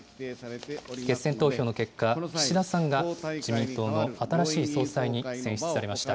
決選投票の結果、岸田さんが、自民党の新しい総裁に選出されました。